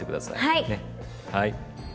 はい。